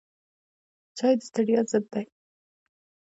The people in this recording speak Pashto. چای د ستړیا ضد دی